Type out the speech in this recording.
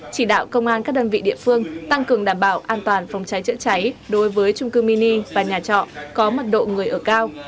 chỉ đạo công an các đơn vị địa phương tăng cường đảm bảo an toàn phòng cháy chữa cháy đối với trung cư mini và nhà trọ có mặt độ người ở cao